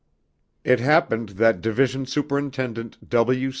It happened that Division Superintendent W.